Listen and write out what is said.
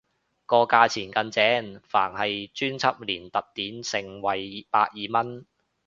個價錢更正返係專輯連特典盛惠百二蚊